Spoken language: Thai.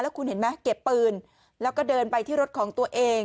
คุณเห็นไหมเก็บปืนแล้วก็เดินไปที่รถของตัวเอง